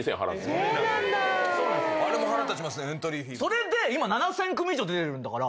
それで今７，０００組以上出てるんだから。